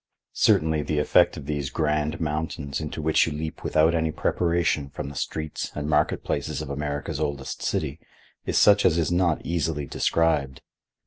Certainly the effect of these grand mountains, into which you leap without any preparation from the streets and market places of America's oldest city, is such as is not easily described.